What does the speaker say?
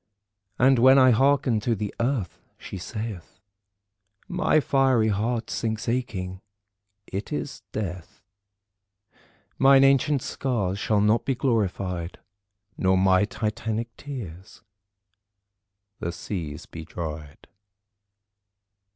And when I hearken to the Earth she saith My fiery heart sinks aching. It is death. Mine ancient scars shall not be glorified Nor my titanic tears the seas be dried."